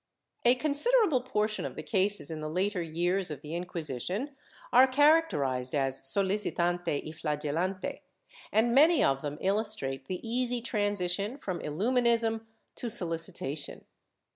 ^ A considerable portion of the cases in the later years of the Inqui sition are characterized as '' solicitante y flagelante" and many of them illustrate the easy transition from Illuminism to solici tation.